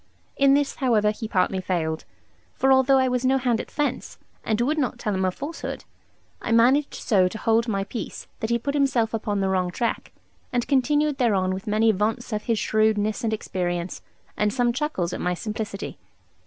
In this, however, he partly failed; for although I was no hand at fence, and would not tell him a falsehood, I managed so to hold my peace that he put himself upon the wrong track, and continued thereon with many vaunts of his shrewdness and experience, and some chuckles at my simplicity.